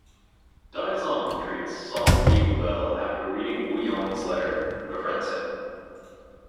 Dai Zong treats Song Jiang well after reading Wu Yong's letter and befriends him.